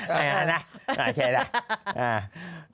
แม่งน่ะแม่งแค่นั้น